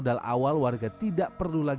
terpaksa saya pakai biogas dulu